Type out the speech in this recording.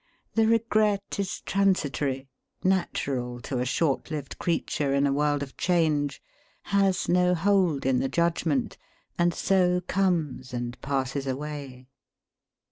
The regret is transitory, natural to a short lived creature in a world of change, has no hold in the judgment, and so conies and passes away.